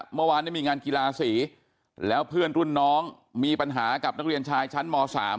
เมื่อวานนี้มีงานกีฬาสีแล้วเพื่อนรุ่นน้องมีปัญหากับนักเรียนชายชั้นม๓